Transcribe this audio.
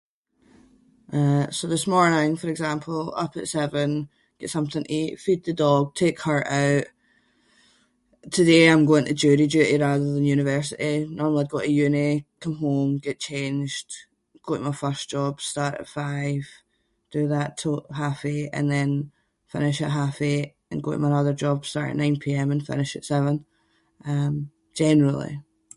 Uh so this morning for example, up at seven, get something to eat, feed the dog, take her out. Today I’m going to jury duty rather than university. Normally I’d go to uni, come home, get changed, go to my first job, start at five, do that till half eight and then finish at half eight and go to my other job, start at 9pm and finish at seven. Um, generally.